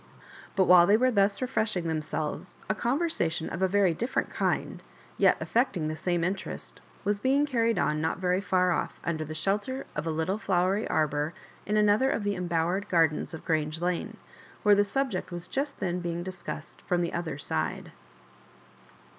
But while they were thus refreshing themselves, a conversation of a very different kind, yet affecting the same mteresis, was being carried on not very far off, under the shelter of a little flowery arbour in another of the embowered gardens of Grange Lane, where the subject was just then being dis cussed from the other side.